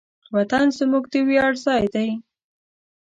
وطن زموږ د ویاړ ځای دی.